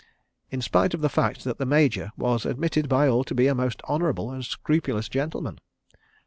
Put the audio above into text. in spite of the fact that the Major was admitted by all to be a most honourable and scrupulous gentleman.